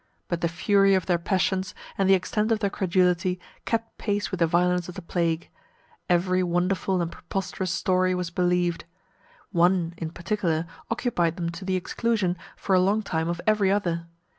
But the fury of their passions, and the extent of their credulity, kept pace with the violence of the plague; every wonderful and preposterous story was believed. One, in particular, occupied them to the exclusion, for a long time, of every other.